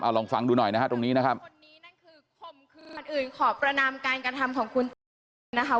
เอาลองฟังดูหน่อยนะคะตรงนี้นะครับคนอื่นขอประนามการการทำของคุณนะคะ